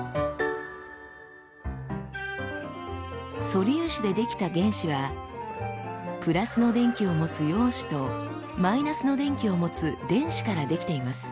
素粒子で出来た原子はプラスの電気を持つ陽子とマイナスの電気を持つ電子から出来ています。